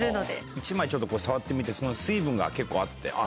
１枚ちょっとこう触ってみて水分が結構あってあっ